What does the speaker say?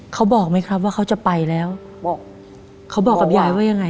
เขาบอกไหมครับว่าเขาจะไปแล้วบอกเขาบอกกับยายว่ายังไง